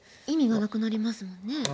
意味がなくなりますもんね。